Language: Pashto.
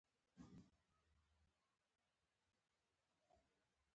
د بانجان دانه د څه لپاره وکاروم؟